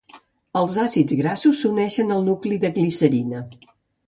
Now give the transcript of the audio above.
Els àcids grassos s'uneixen al nucli de glicerina.